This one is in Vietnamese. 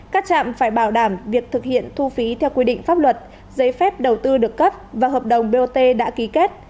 các trạm phải bảo đảm việc thực hiện thu phí theo quy định pháp luật giấy phép đầu tư được cấp và hợp đồng bot đã ký kết